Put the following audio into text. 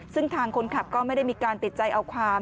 ซึ่งทางคนขับก็ไม่ได้มีการติดใจเอาความ